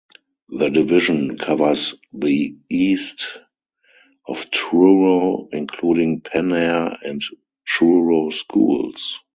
The division covers the east of Truro including Penair and Truro schools.